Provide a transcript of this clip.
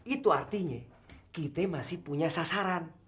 itu artinya kita masih punya sasaran